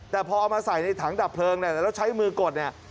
แต่พอเอามาใส่ในถังดับเพลิงแล้วใช้มือกด